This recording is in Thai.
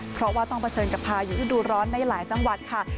เพราะว่าต้องเผชิญกับพายุฤดูร้อนในหลายจังหวัดค่ะ